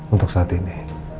untuk saat ini